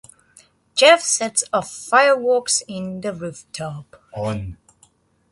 Jeff sets off fireworks on the rooftop.